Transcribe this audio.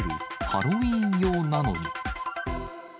ハロウィーン用なのに。